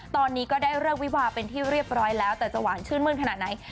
ตอนนี้ก็ได้เลิกวิวาเป็นที่เรียบร้อยแล้วแต่จะหวานชื่นมื้นขนาดไหน